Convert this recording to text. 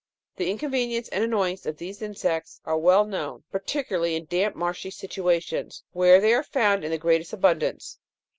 The inconvenience and annoy ance of these insects are well known, par ticularly in damp, marshy situations, where they are found in the greatest abundance.